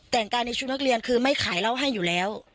แต่งกายในชุดนักเรียนคือไม่ขายเหล้าให้อยู่แล้ว